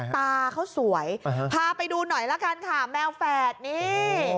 ตาเขาสวยพาไปดูหน่อยละกันค่ะแมวแฝดนี่